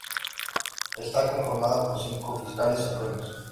Esta conformada por cinco fiscales supremos.